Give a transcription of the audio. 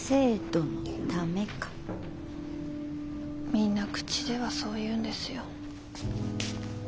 みんな口ではそう言うんですよ。